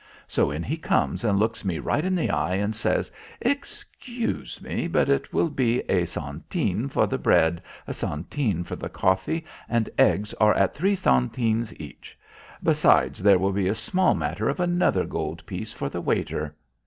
So in he comes and looks me right in the eye and says, 'Excuse me but it will be a centene for the bread, a centene for the coffee, and eggs are at three centenes each. Besides there will be a small matter of another gold piece for the waiter.'